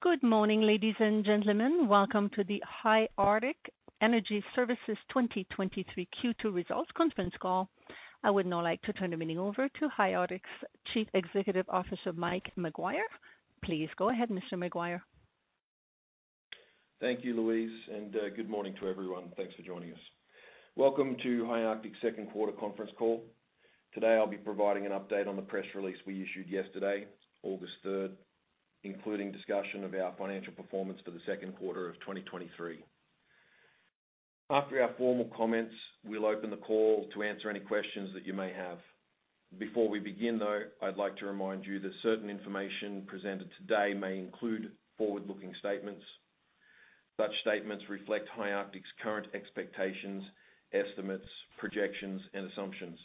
Good morning, ladies and gentlemen. Welcome to the High Arctic Energy Services 2023 Q2 Results conference call. I would now like to turn the meeting over to High Arctic's Chief Executive Officer, Mike Maguire. Please go ahead, Mr. Maguire. Thank you, Louise, and good morning to everyone. Thanks for joining us. Welcome to High Arctic's second quarter conference call. Today, I'll be providing an update on the press release we issued yesterday, August 3rd, including discussion of our financial performance for the second quarter of 2023. After our formal comments, we'll open the call to answer any questions that you may have. Before we begin, though, I'd like to remind you that certain information presented today may include forward-looking statements. Such statements reflect High Arctic's current expectations, estimates, projections, and assumptions.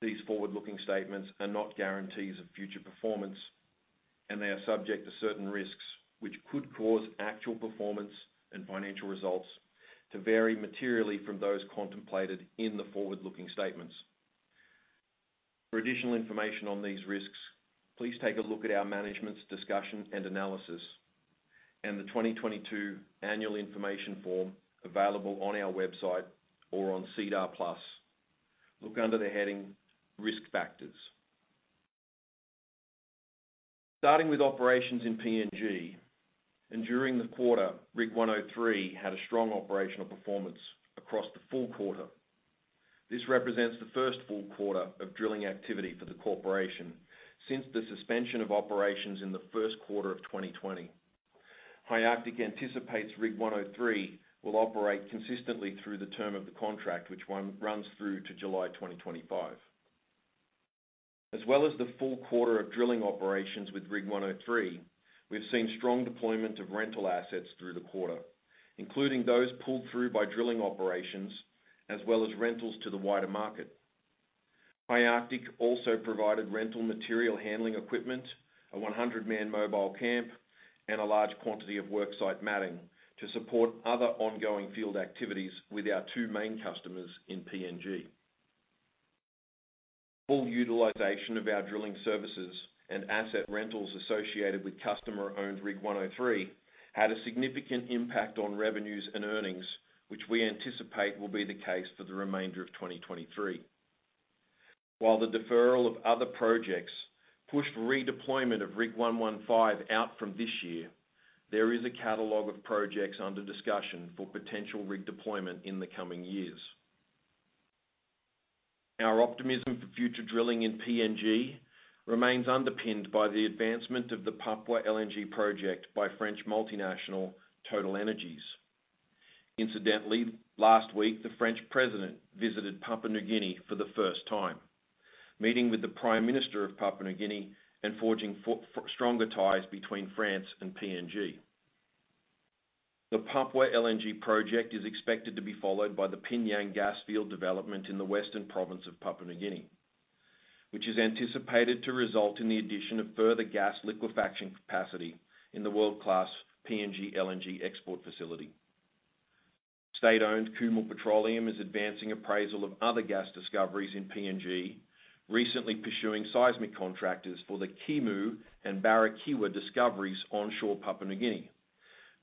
These forward-looking statements are not guarantees of future performance, and they are subject to certain risks, which could cause actual performance and financial results to vary materially from those contemplated in the forward-looking statements. For additional information on these risks, please take a look at our management's discussion and analysis and the 2022 annual information form available on our website or on SEDAR+. Look under the heading "Risk Factors." Starting with operations in PNG, during the quarter, Rig 103 had a strong operational performance across the full quarter. This represents the first full quarter of drilling activity for the corporation since the suspension of operations in the first quarter of 2020. High Arctic anticipates Rig 103 will operate consistently through the term of the contract, which runs through to July 2025. Well as the full quarter of drilling operations with Rig 103, we've seen strong deployment of rental assets through the quarter, including those pulled through by drilling operations, as well as rentals to the wider market. High Arctic also provided rental material handling equipment, a 100-man mobile camp, and a large quantity of work site matting to support other ongoing field activities with our two main customers in PNG. Full utilization of our drilling services and asset rentals associated with customer-owned Rig 103, had a significant impact on revenues and earnings, which we anticipate will be the case for the remainder of 2023. While the deferral of other projects pushed redeployment of Rig 115 out from this year, there is a catalog of projects under discussion for potential rig deployment in the coming years. Our optimism for future drilling in PNG remains underpinned by the advancement of the Papua LNG project by French multinational TotalEnergies. Incidentally, last week, the French president visited Papua New Guinea for the first time, meeting with the Prime Minister of Papua New Guinea and forging stronger ties between France and PNG. The Papua LNG project is expected to be followed by the PNG gas field development in the western province of Papua New Guinea, which is anticipated to result in the addition of further gas liquefaction capacity in the world-class PNG LNG export facility. State-owned Kumul Petroleum is advancing appraisal of other gas discoveries in PNG, recently pursuing seismic contractors for the Kimu and Barikewa discoveries onshore Papua New Guinea,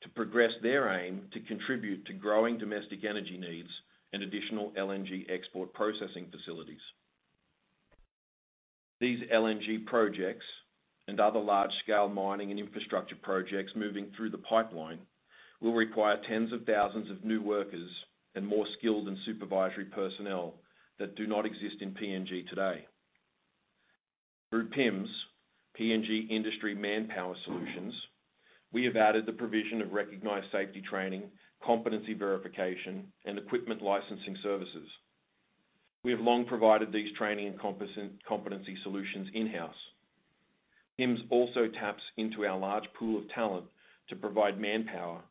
to progress their aim to contribute to growing domestic energy needs and additional LNG export processing facilities. These LNG projects and other large-scale mining and infrastructure projects moving through the pipeline, will require tens of thousands of new workers and more skilled and supervisory personnel that do not exist in PNG today. Through PIMS, PNG Industry Manpower Solutions, we have added the provision of recognized safety training, competency verification, and equipment licensing services. We have long provided these training and competency solutions in-house. PIMS also taps into our large pool of talent to provide manpower,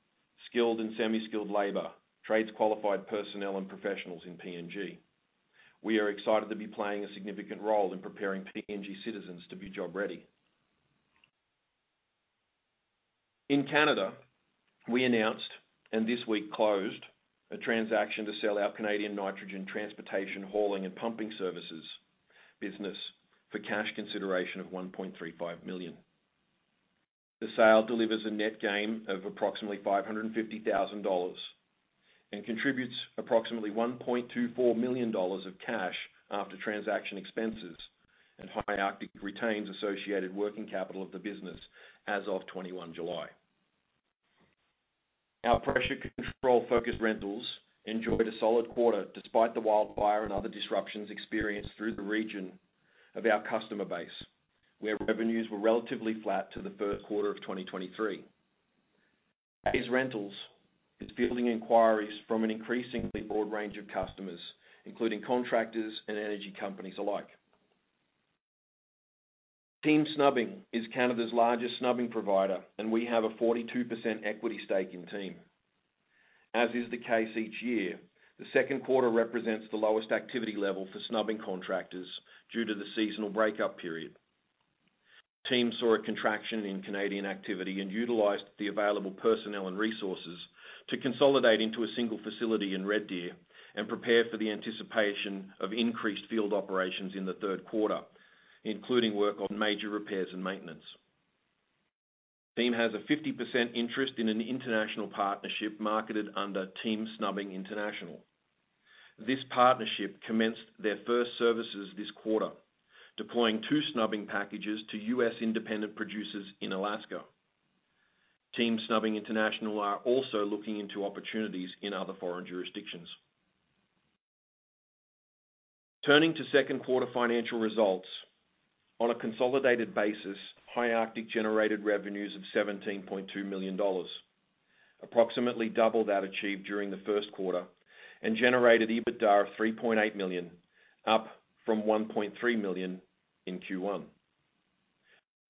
skilled and semi-skilled labor, trades-qualified personnel, and professionals in PNG. We are excited to be playing a significant role in preparing PNG citizens to be job-ready. In Canada, we announced, and this week closed, a transaction to sell our Canadian nitrogen transportation, hauling, and pumping services business for cash consideration of 1.35 million. The sale delivers a net gain of approximately 550,000 dollars and contributes approximately 1.24 million dollars of cash after transaction expenses. High Arctic retains associated working capital of the business as of 21 July. Our pressure control-focused rentals enjoyed a solid quarter despite the wildfire and other disruptions experienced through the region of our customer base, where revenues were relatively flat to the first quarter of 2023. These rentals is building inquiries from an increasingly broad range of customers, including contractors and energy companies alike. Team Snubbing is Canada's largest snubbing provider. We have a 42% equity stake in Team. As is the case each year, the second quarter represents the lowest activity level for snubbing contractors due to the seasonal breakup period. Team saw a contraction in Canadian activity utilized the available personnel and resources. to consolidate into a single facility in Red Deer and prepare for the anticipation of increased field operations in the third quarter, including work on major repairs and maintenance. Team has a 50% interest in an international partnership marketed under Team Snubbing International. This partnership commenced their first services this quarter, deploying two snubbing packages to U.S. independent producers in Alaska. Team Snubbing International are also looking into opportunities in other foreign jurisdictions. Turning to second quarter financial results. On a consolidated basis, High Arctic generated revenues of 17.2 million dollars, approximately double that achieved during the first quarter, and generated EBITDA of 3.8 million, up from 1.3 million in Q1.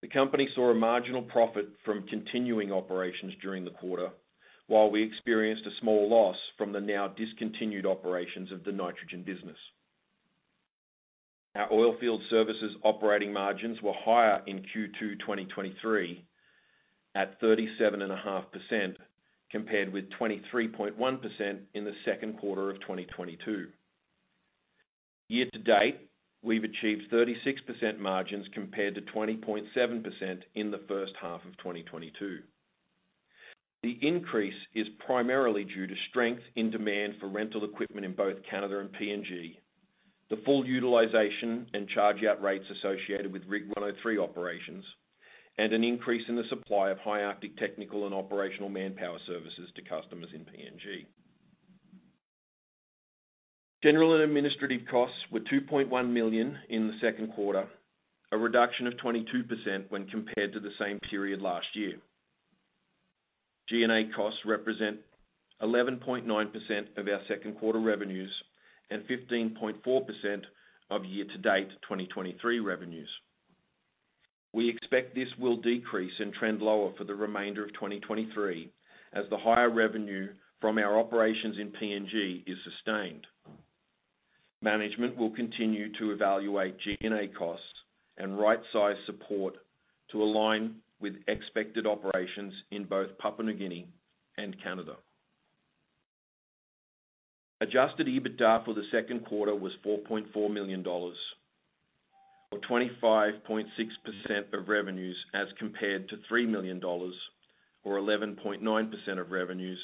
The company saw a marginal profit from continuing operations during the quarter, while we experienced a small loss from the now discontinued operations of the nitrogen business. Our oilfield services operating margins were higher in Q2 2023, at 37.5%, compared with 23.1% in the 2Q of 2022. Year-to-date, we've achieved 36% margins compared to 20.7% in the first half of 2022. The increase is primarily due to strength in demand for rental equipment in both Canada and PNG. The full utilization and charge-out rates associated with Rig 103 operations, and an increase in the supply of High Arctic technical and operational manpower services to customers in PNG. General and administrative costs were 2.1 million in the 2Q, a reduction of 22% when compared to the same period last year. G&A costs represent 11.9% of our 2Q revenues and 15.4% of year-to-date 2023 revenues. We expect this will decrease and trend lower for the remainder of 2023, as the higher revenue from our operations in PNG is sustained. Management will continue to evaluate G&A costs and right-size support to align with expected operations in both Papua New Guinea and Canada. Adjusted EBITDA for the second quarter was 4.4 million dollars, or 25.6% of revenues, as compared to 3 million dollars, or 11.9% of revenues,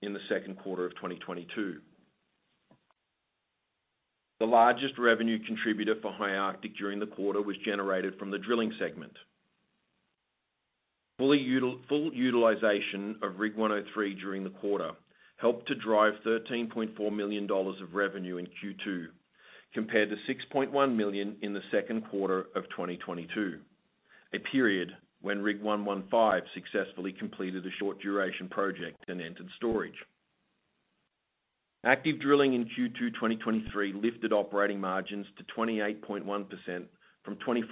in the second quarter of 2022. The largest revenue contributor for High Arctic during the quarter was generated from the drilling segment. Full utilization of Rig 103 during the quarter helped to drive 13.4 million dollars of revenue in Q2, compared to 6.1 million in the second quarter of 2022, a period when Rig 115 successfully completed a short-duration project and entered storage. Active drilling in Q2 2023 lifted operating margins to 28.1% from 24%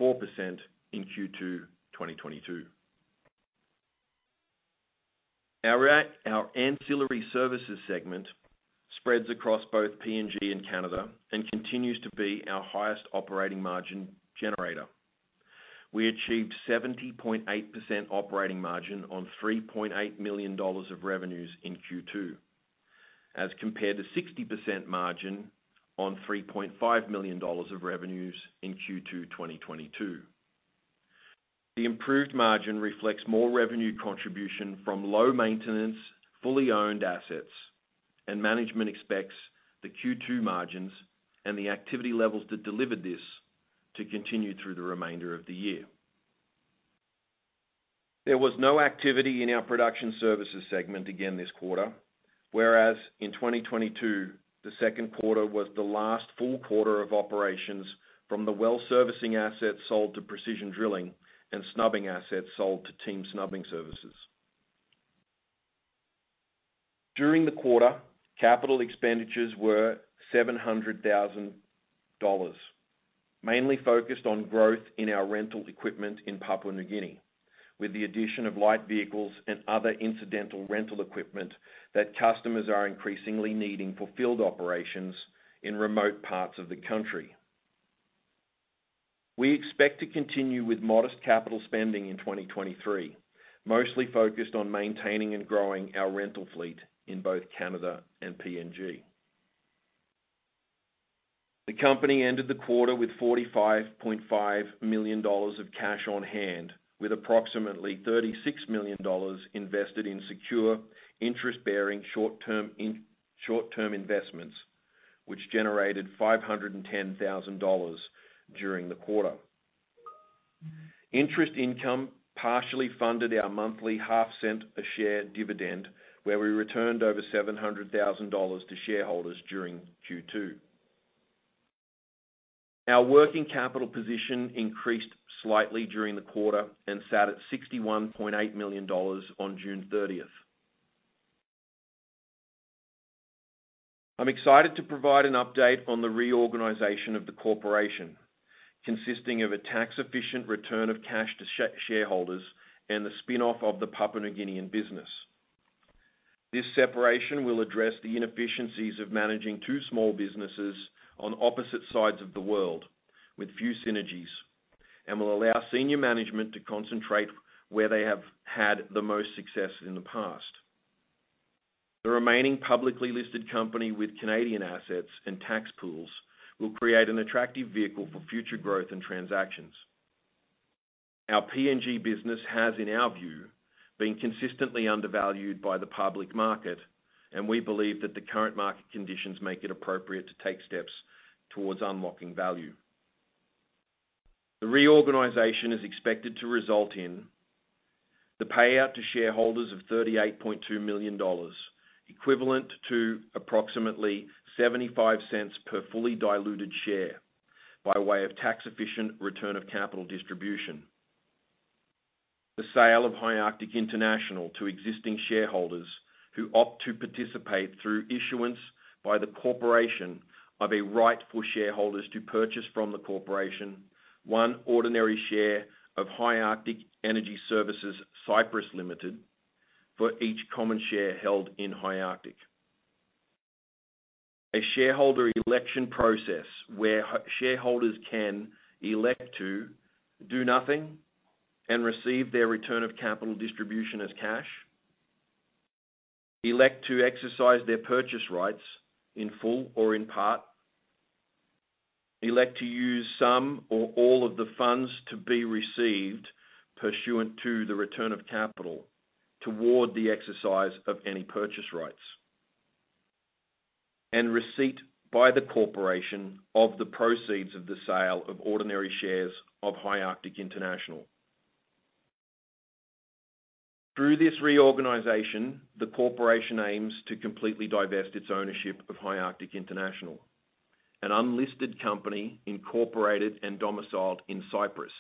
in Q2 2022. Our ancillary services segment spreads across both PNG and Canada and continues to be our highest operating margin generator. We achieved 70.8% operating margin on 3.8 million dollars of revenues in Q2, as compared to 60% margin on 3.5 million dollars of revenues in Q2 2022. The improved margin reflects more revenue contribution from low-maintenance, fully owned assets, and management expects the Q2 margins and the activity levels that delivered this to continue through the remainder of the year. There was no activity in our production services segment again this quarter, whereas in 2022, the second quarter was the last full quarter of operations from the well-servicing assets sold to Precision Drilling and snubbing assets sold to Team Snubbing Services. During the quarter, capital expenditures were 700,000 dollars, mainly focused on growth in our rental equipment in Papua New Guinea, with the addition of light vehicles and other incidental rental equipment that customers are increasingly needing for field operations in remote parts of the country. We expect to continue with modest capital spending in 2023, mostly focused on maintaining and growing our rental fleet in both Canada and PNG. The company ended the quarter with 45.5 million dollars of cash on hand, with approximately 36 million dollars invested in secure, interest-bearing short-term investments, which generated 510,000 dollars during the quarter. Interest income partially funded our monthly CAD 0.005 a share dividend, where we returned over 700,000 dollars to shareholders during Q2. Our working capital position increased slightly during the quarter and sat at 61.8 million dollars on June 30th. I'm excited to provide an update on the reorganization of the corporation, consisting of a tax-efficient return of cash to shareholders and the spin-off of the Papua New Guinean business. This separation will address the inefficiencies of managing two small businesses on opposite sides of the world, with few synergies. Will allow senior management to concentrate where they have had the most success in the past. The remaining publicly listed company with Canadian assets and tax pools will create an attractive vehicle for future growth and transactions. Our PNG business has, in our view, been consistently undervalued by the public market. We believe that the current market conditions make it appropriate to take steps towards unlocking value. The reorganization is expected to result in the payout to shareholders of 38.2 million dollars, equivalent to approximately 0.75 per fully diluted share, by way of tax-efficient return of capital distribution. The sale of High Arctic International to existing shareholders, who opt to participate through issuance by the corporation of a right for shareholders to purchase from the corporation one ordinary share of High Arctic Energy Services Cyprus Limited, for each common share held in High Arctic. A shareholder election process where shareholders can elect to do nothing and receive their return of capital distribution as cash, elect to exercise their purchase rights in full or in part, elect to use some or all of the funds to be received pursuant to the return of capital toward the exercise of any purchase rights, and receipt by the corporation of the proceeds of the sale of ordinary shares of High Arctic International. Through this reorganization, the corporation aims to completely divest its ownership of High Arctic International, an unlisted company incorporated and domiciled in Cyprus,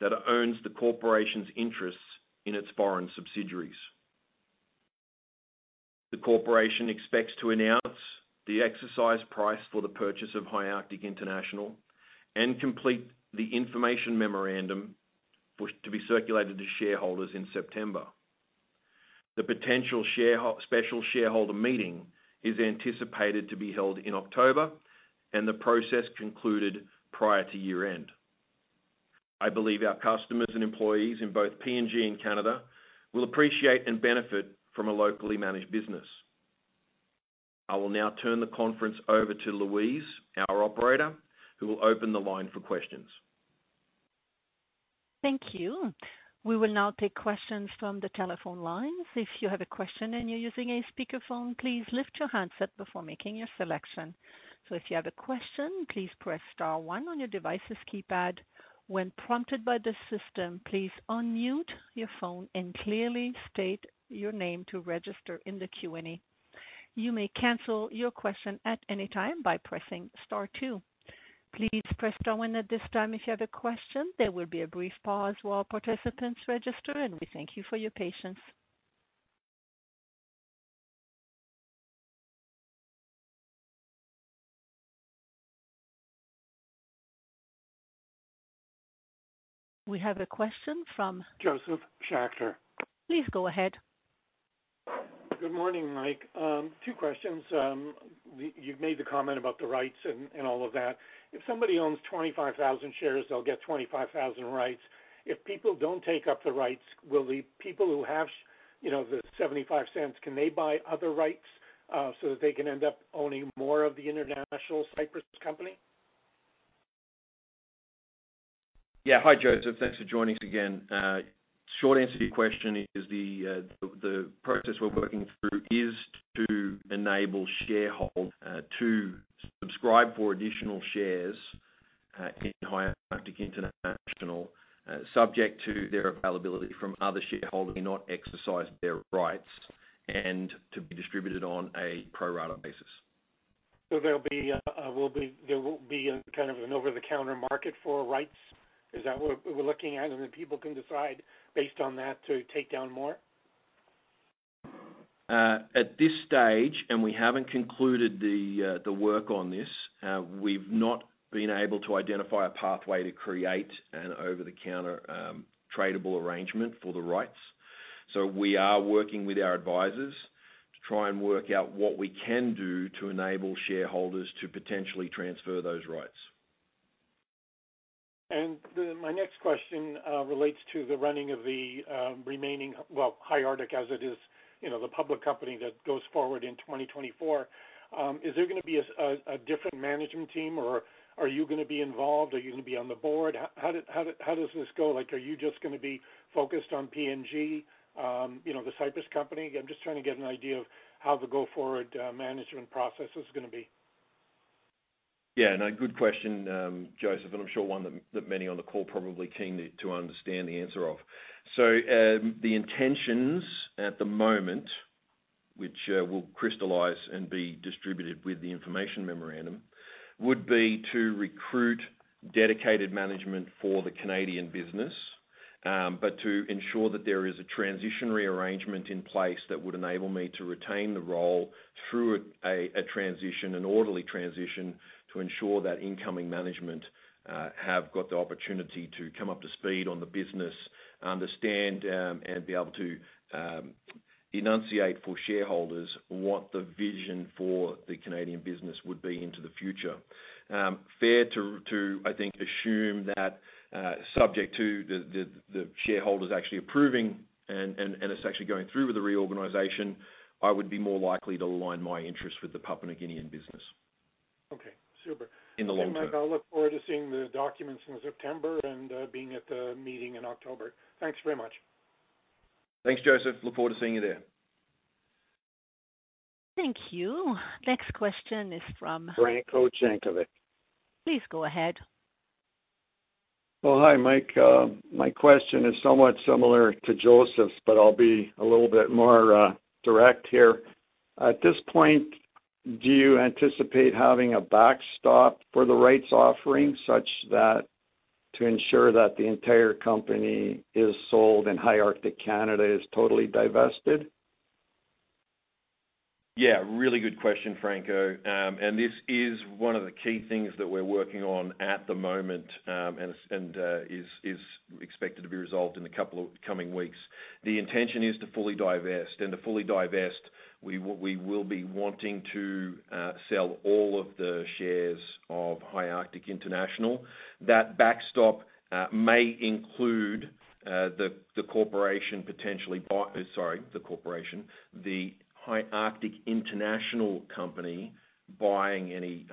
that owns the corporation's interests in its foreign subsidiaries. The corporation expects to announce the exercise price for the purchase of High Arctic International and complete the information memorandum for it to be circulated to shareholders in September. The potential special shareholder meeting is anticipated to be held in October and the process concluded prior to year-end. I believe our customers and employees in both PNG and Canada will appreciate and benefit from a locally managed business. I will now turn the conference over to Louise, our operator, who will open the line for questions. Thank you. We will now take questions from the telephone lines. If you have a question and you're using a speakerphone, please lift your handset before making your selection. If you have a question, please press star one on your device's keypad. When prompted by the system, please unmute your phone and clearly state your name to register in the Q&A. You may cancel your question at any time by pressing star two. Please press star one at this time if you have a question. There will be a brief pause while participants register, and we thank you for your patience. We have a question from- Josef Schachter. Please go ahead. Good morning, Mike. Two questions. You've made the comment about the rights and, and all of that. If somebody owns 25,000 shares, they'll get 25,000 rights. If people don't take up the rights, will the people who have you know, the $0.75, can they buy other rights, so that they can end up owning more of the international Cyprus company? Yeah. Hi, Josef. Thanks for joining us again. Short answer to your question is the, the, the process we're working through is to enable shareholder, to subscribe for additional shares, in High Arctic International, subject to their availability from other shareholders who may not exercise their rights and to be distributed on a pro rata basis. There'll be, there will be a kind of an over-the-counter market for rights? Is that what we're, we're looking at, and then people can decide based on that, to take down more? At this stage, and we haven't concluded the work on this, we've not been able to identify a pathway to create an over-the-counter tradable arrangement for the rights. We are working with our advisors to try and work out what we can do to enable shareholders to potentially transfer those rights. The, my next question relates to the running of the remaining, well, High Arctic, as it is, you know, the public company that goes forward in 2024. Is there gonna be a different management team, or are you gonna be involved? Are you gonna be on the board? How does this go? Like, are you just gonna be focused on PNG, you know, the Cyprus company? I'm just trying to get an idea of how the go-forward management process is gonna be. Yeah, no, good question, Joseph, I'm sure one that, that many on the call are probably keen to, to understand the answer of. The intentions at the moment, which will crystallize and be distributed with the information memorandum, would be to recruit dedicated management for the Canadian business, but to ensure that there is a transitionary arrangement in place that would enable me to retain the role through a transition, an orderly transition, to ensure that incoming management have got the opportunity to come up to speed on the business, understand, and be able to enunciate for shareholders what the vision for the Canadian business would be into the future. Fair to, I think, assume that, subject to the shareholders actually approving and us actually going through with the reorganization, I would be more likely to align my interest with the Papua New Guinean business. Okay, super. In the long term. Mike, I look forward to seeing the documents in September and, being at the meeting in October. Thanks very much. Thanks, Josef. Look forward to seeing you there. Thank you. Next question is from- Franco Jankovic. Please go ahead. Hi, Mike. My question is somewhat similar to Josef's, but I'll be a little bit more direct here. At this point, do you anticipate having a backstop for the rights offering such that to ensure that the entire company is sold and High Arctic Canada is totally divested? Yeah, really good question, Franco. This is one of the key things that we're working on at the moment, is expected to be resolved in a couple of coming weeks. The intention is to fully divest. To fully divest, we will be wanting to sell all of the shares of High Arctic International. That backstop may include the corporation potentially Sorry, the corporation, the High Arctic International Company, buying any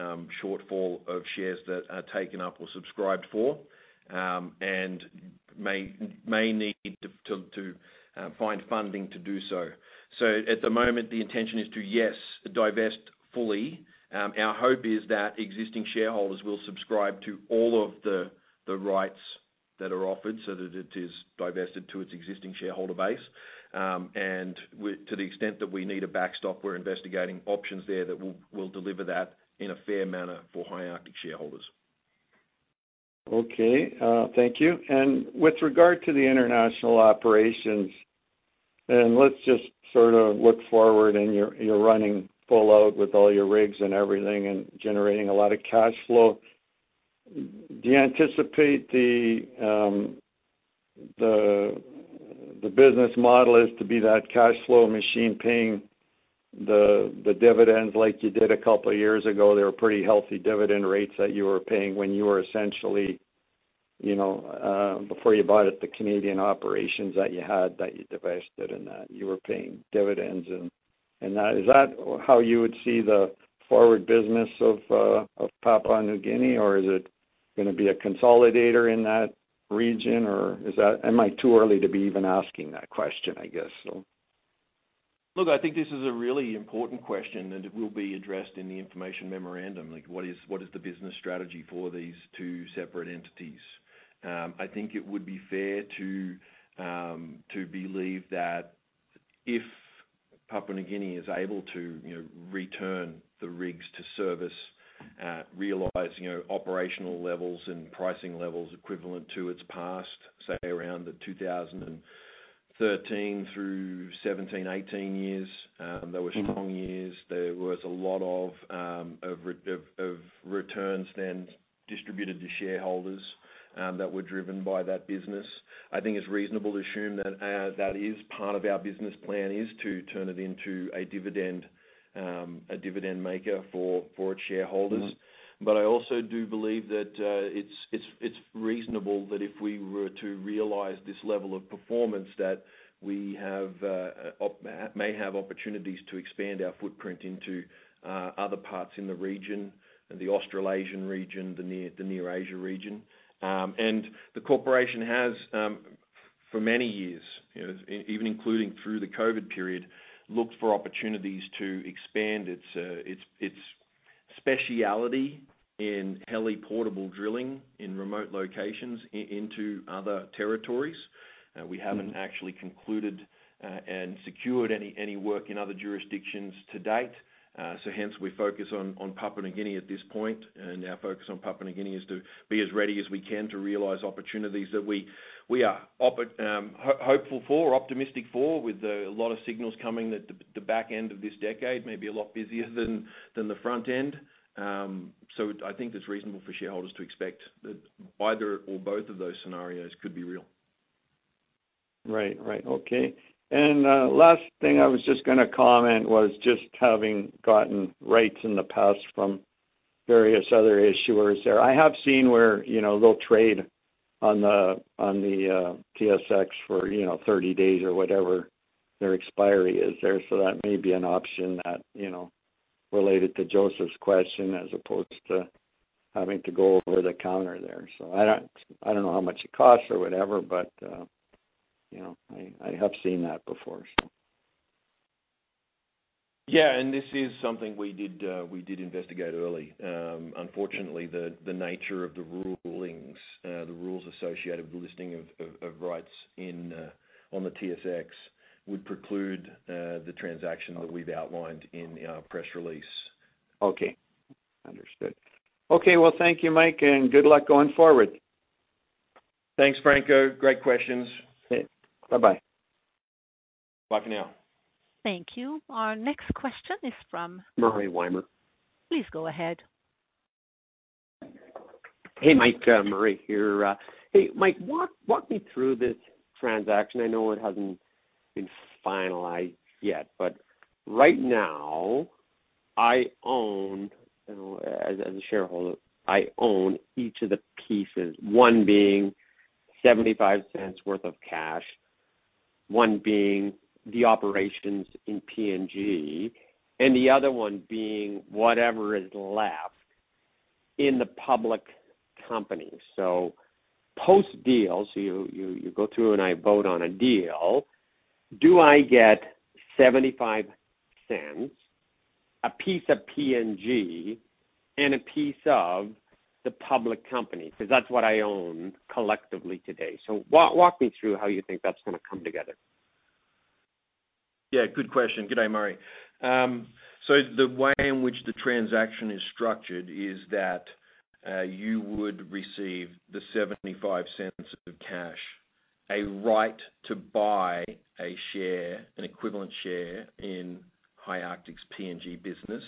shortfall of shares that are taken up or subscribed for, and may need to find funding to do so. At the moment, the intention is to, yes, divest fully. Our hope is that existing shareholders will subscribe to all of the rights that are offered so that it is divested to its existing shareholder base. To the extent that we need a backstop, we're investigating options there that will deliver that in a fair manner for High Arctic shareholders. Okay. Thank you. With regard to the international operations, and let's just sort of look forward, and you're, you're running full out with all your rigs and everything and generating a lot of cashflow. Do you anticipate the, the, the business model is to be that cashflow machine paying the, the dividends like you did a couple of years ago? They were pretty healthy dividend rates that you were paying when you were essentially, you know, before you bought it, the Canadian operations that you had, that you divested, and you were paying dividends. That, is that how you would see the forward business of Papua New Guinea? Or is it gonna be a consolidator in that region, or am I too early to be even asking that question, I guess so? Look, I think this is a really important question, and it will be addressed in the information memorandum. Like, what is, what is the business strategy for these two separate entities? I think it would be fair to believe that if Papua New Guinea is able to, you know, return the rigs to service, realize, you know, operational levels and pricing levels equivalent to its past, say, around the 2013 through 2017, 2018 years, they were... Mm-hmm... strong years. There was a lot of returns then distributed to shareholders, that were driven by that business. I think it's reasonable to assume that that is part of our business plan, is to turn it into a dividend, a dividend maker for, for its shareholders. Mm-hmm. I also do believe that it's, it's, it's reasonable that if we were to realize this level of performance, that we have may have opportunities to expand our footprint into other parts in the region, and the Australasian region, the near, the Near Asia region. The corporation has for many years, you know, even including through the COVID period, looked for opportunities to expand its, its, its speciality in heli-portable drilling in remote locations into other territories. Mm-hmm. We haven't actually concluded and secured any, any work in other jurisdictions to date. Hence we focus on Papua New Guinea at this point, our focus on Papua New Guinea is to be as ready as we can to realize opportunities that we, we are hopeful for or optimistic for, with a lot of signals coming that the, the back end of this decade may be a lot busier than, than the front end. I think it's reasonable for shareholders to expect that either or both of those scenarios could be real. Right. Right. Okay. Last thing I was just gonna comment was just having gotten rights in the past from various other issuers there. I have seen where, you know, they'll trade on the, on the TSX for, you know, 30 days or whatever their expiry is there. That may be an option that, you know, related to Josef's question, as opposed to having to go over the counter there. I don't, I don't know how much it costs or whatever, but, you know, I, I have seen that before. Yeah, this is something we did, we did investigate early. Unfortunately, the, the nature of the rulings, the rules associated with the listing of, of, of rights in on the TSX would preclude the transaction that we've outlined in our press release. Okay, understood. Okay, well, thank you, Mike, and good luck going forward. Thanks, Franco. Great questions. Okay. Bye-bye. Bye for now. Thank you. Our next question is from- Murray Weimer. Please go ahead. Hey, Mike, Murray here. Hey, Mike, walk, walk me through this transaction. I know it hasn't been finalized yet, but right now, I own, you know, as, as a shareholder, I own each of the pieces. One being 0.75 worth of cash, one being the operations in PNG, and the other one being whatever is left in the public company. Post-deal, so you, you, you go through and I vote on a deal. Do I get 0.75, a piece of PNG, and a piece of the public company? Because that's what I own collectively today. Walk me through how you think that's gonna come together. Yeah, good question. Good day, Murray. The way in which the transaction is structured is that you would receive the 0.75 of cash, a right to buy a share, an equivalent share in High Arctic's PNG business.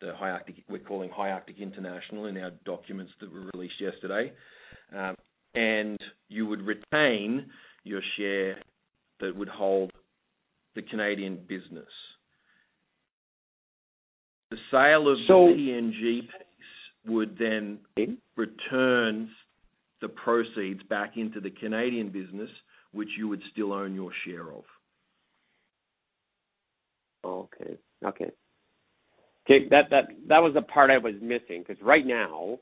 The High Arctic- we're calling High Arctic International in our documents that were released yesterday. You would retain your share that would hold the Canadian business. The sale of- So- The PNG piece would then return the proceeds back into the Canadian business, which you would still own your share of. Okay. Okay. Okay, that, that, that was the part I was missing, because right now,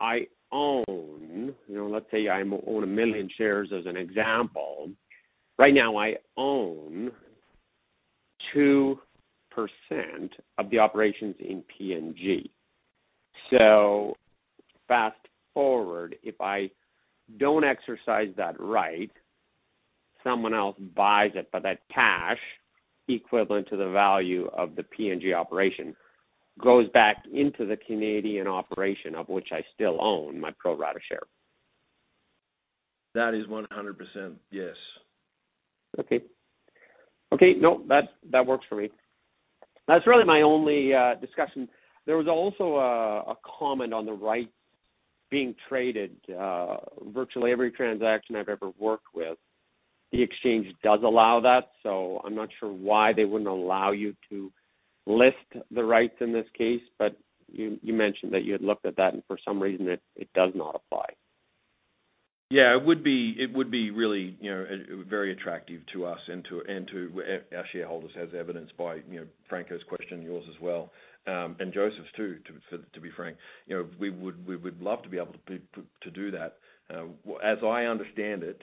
I own, you know, let's say I own 1 million shares as an example. Right now, I own 2% of the operations in PNG. Fast forward, if I don't exercise that right, someone else buys it, but that cash, equivalent to the value of the PNG operation, goes back into the Canadian operation, of which I still own my pro rata share. That is 100%, yes. Okay. Okay, nope, that works for me. That's really my only discussion. There was also a comment on the right being traded. Virtually every transaction I've ever worked with, the exchange does allow that, so I'm not sure why they wouldn't allow you to list the rights in this case, but you mentioned that you had looked at that, and for some reason, it does not apply. Yeah, it would be, it would be really, you know, very attractive to us and to, and to our shareholders, as evidenced by, you know, Franco's question, yours as well, and Joseph's, too, to, to be frank. You know, we would, we would love to be able to, to, to do that. As I understand it,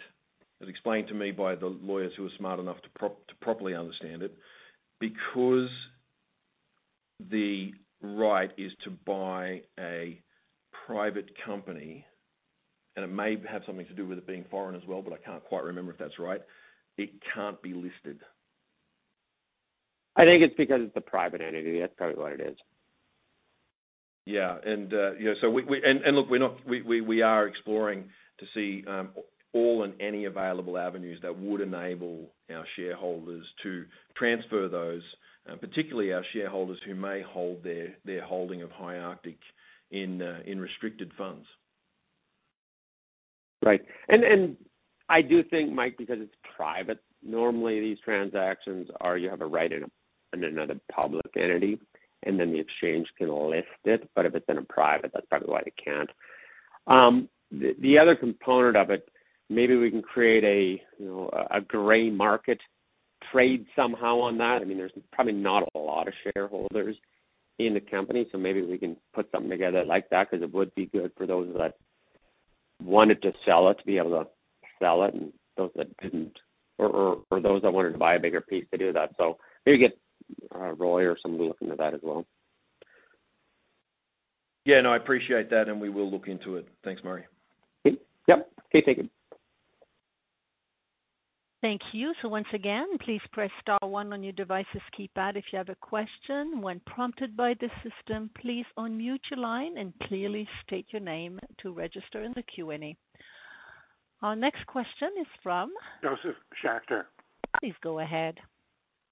as explained to me by the lawyers who are smart enough to properly understand it, because the right is to buy a private company, and it may have something to do with it being foreign as well, but I can't quite remember if that's right, it can't be listed. I think it's because it's a private entity. That's probably what it is. Yeah. You know, so we, look, we are exploring to see all and any available avenues that would enable our shareholders to transfer those, particularly our shareholders who may hold their, their holding of High Arctic in restricted funds. Right. I do think, Mike, because it's private, normally these transactions are, you have a right in, in another public entity, and then the exchange can list it. If it's in a private, that's probably why they can't. The other component of it, maybe we can create a, you know, a gray market trade somehow on that. I mean, there's probably not a lot of shareholders in the company, so maybe we can put something together like that because it would be good for those that wanted to sell it, to be able to sell it, and those that didn't, or those that wanted to buy a bigger piece to do that. Maybe get Roy or somebody look into that as well. Yeah, no, I appreciate that. We will look into it. Thanks, Murray. Yep. Okay, thank you. Thank you. Once again, please press star one on your devices keypad if you have a question. When prompted by the system, please unmute your line and clearly state your name to register in the Q&A. Our next question is from? Josef Schachter. Please go ahead.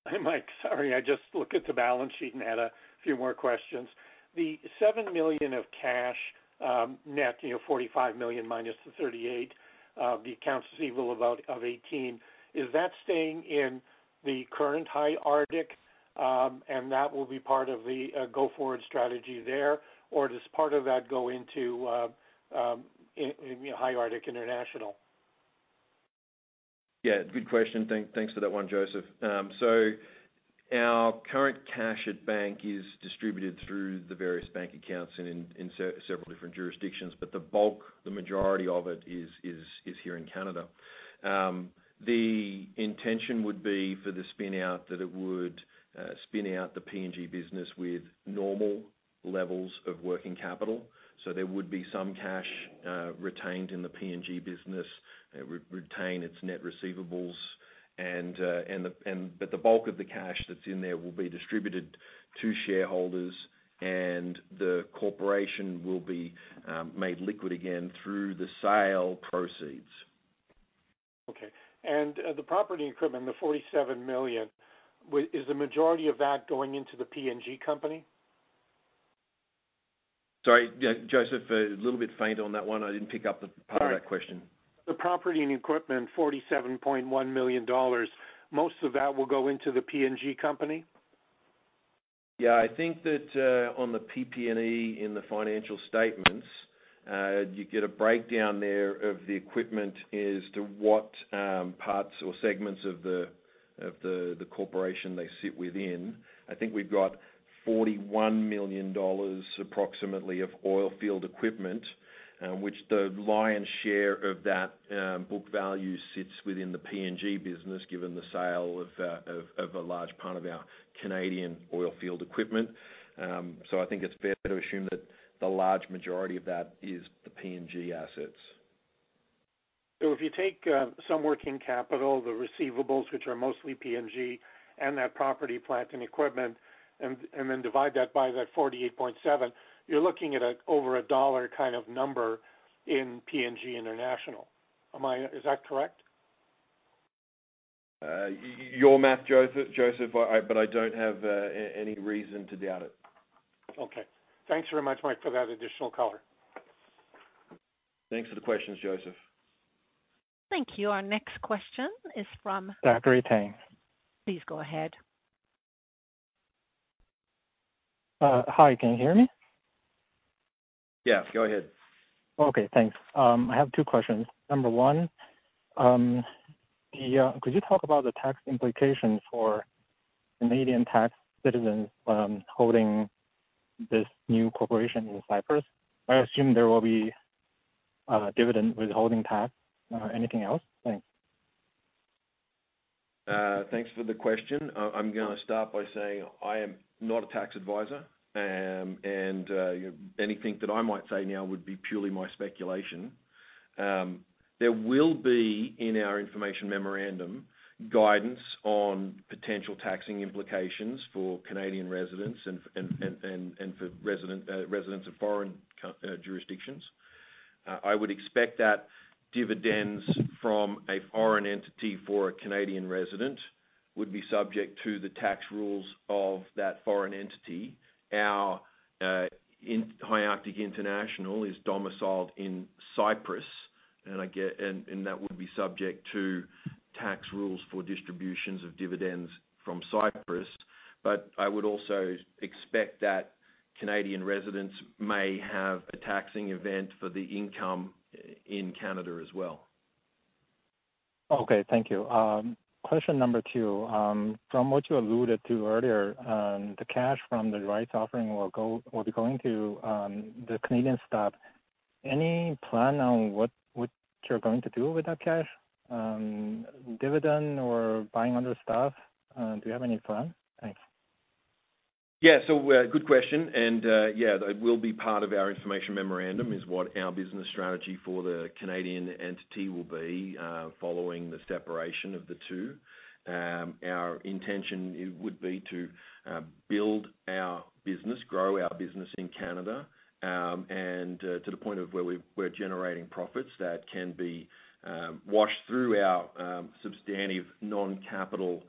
Hey, Mike, sorry. I just looked at the balance sheet and had a few more questions. The 7 million of cash, net, you know, 45 million minus the 38, the accounts receivable about of 18, is that staying in the current High Arctic, and that will be part of the go-forward strategy there, or does part of that go into in, in High Arctic International? Yeah, good question. Thank, thanks for that one, Josef. Our current cash at bank is distributed through the various bank accounts and in, in several different jurisdictions, but the bulk, the majority of it is here in Canada. The intention would be for the spin-out, that it would spin out the PNG business with normal levels of working capital. There would be some cash retained in the PNG business. It would retain its net receivables. The bulk of the cash that's in there will be distributed to shareholders, and the corporation will be made liquid again through the sale proceeds.... Okay. the property equipment, the 47 million, is the majority of that going into the PNG company? Sorry, yeah, Josef, a little bit faint on that one. I didn't pick up the part of that question. The property and equipment, 47.1 million dollars, most of that will go into the PNG company? Yeah, I think that, on the PP&E in the financial statements, you get a breakdown there of the equipment as to what, parts or segments of the corporation they sit within. I think we've got 41 million dollars approximately of oil field equipment, which the lion's share of that, book value sits within the PNG business, given the sale of a large part of our Canadian oil field equipment. So I think it's fair to assume that the large majority of that is the PNG assets. If you take some working capital, the receivables, which are mostly PNG, and that property, plant, and equipment, and then divide that by that 48.7, you're looking at over CAD 1 kind of number in PNG International. Is that correct? your math, Josef, Josef, but I, but I don't have any reason to doubt it. Okay. Thanks very much, Mike, for that additional color. Thanks for the questions, Joseph. Thank you. Our next question is from- Dr. Tang. Please go ahead. Hi, can you hear me? Yeah, go ahead. Okay, thanks. I have two questions. Number one, could you talk about the tax implications for Canadian tax citizens, holding this new corporation in Cyprus? I assume there will be dividend withholding tax. Anything else? Thanks. Thanks for the question. I'm gonna start by saying I am not a tax advisor. Anything that I might say now would be purely my speculation. There will be, in our information memorandum, guidance on potential taxing implications for Canadian residents and for resident residents of foreign jurisdictions. I would expect that dividends from a foreign entity for a Canadian resident would be subject to the tax rules of that foreign entity. Our High Arctic International is domiciled in Cyprus, and that would be subject to tax rules for distributions of dividends from Cyprus. I would also expect that Canadian residents may have a taxing event for the income in Canada as well. Okay. Thank you. Question number 2. From what you alluded to earlier, the cash from the rights offering will be going to the Canadian stock. Any plan on what you're going to do with that cash? Dividend or buying other stuff? Do you have any plan? Thanks. Good question. Yeah, that will be part of our information memorandum, is what our business strategy for the Canadian entity will be following the separation of the two. Our intention it would be to build our business, grow our business in Canada, and to the point of where we're generating profits that can be washed through our substantive non-capital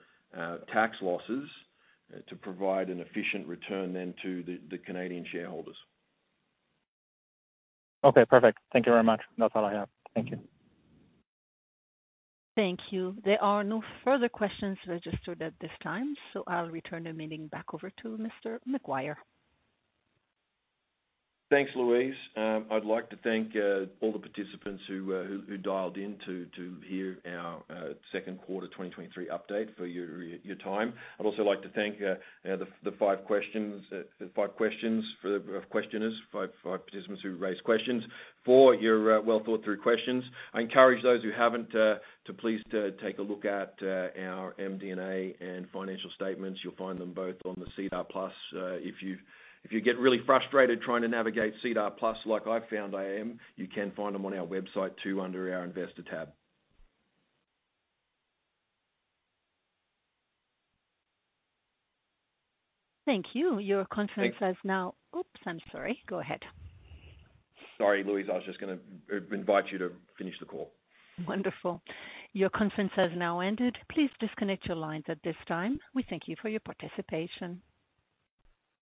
tax losses, to provide an efficient return then to the Canadian shareholders. Okay, perfect. Thank you very much. That's all I have. Thank you. Thank you. There are no further questions registered at this time, so I'll return the meeting back over to Mr. Maguire. Thanks, Louise. I'd like to thank all the participants who dialed in to hear our second quarter 2023 update for your time. I'd also like to thank the five questions for the questioners, five participants who raised questions, for your well-thought-through questions. I encourage those who haven't to please, to take a look at our MD&A and financial statements. You'll find them both on the SEDAR Plus. If you get really frustrated trying to navigate SEDAR Plus, like I've found I am, you can find them on our website too, under our Investor tab. Thank you. Thank- Your conference has now... Oops, I'm sorry. Go ahead. Sorry, Louise, I was just gonna invite you to finish the call. Wonderful. Your conference has now ended. Please disconnect your lines at this time. We thank you for your participation.